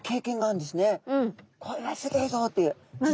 これはすギョいぞっていう。